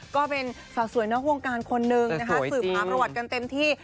ก็เป็นสาวสวยนอกวงการคนนึงนะคะสืบหาประวัติกันเต็มที่